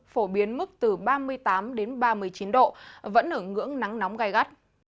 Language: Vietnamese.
phổ biến mức từ ba mươi tám đến ba mươi chín độ vẫn ở ngưỡng nắng nóng gai gắt